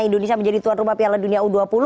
indonesia menjadi tuan rumah piala dunia u dua puluh